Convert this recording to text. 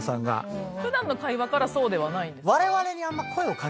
普段の会話からそうではないんですか？